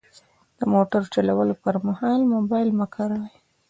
د موټر چلولو پر مهال موبایل مه کاروئ.